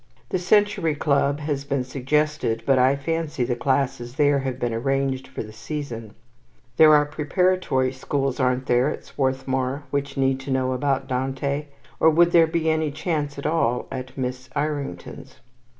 The Century Club has been suggested, but I fancy the classes there have been arranged for the season. There are preparatory schools, aren't there, at Swarthmore, which need to know about Dante? Or would there be any chance at all at Miss Irington's?